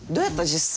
実際。